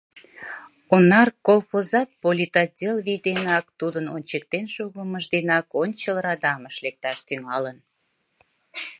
«Онар» колхозат политотдел вий денак, тудын ончыктен шогымыж денак ончыл радамыш лекташ тӱҥалын.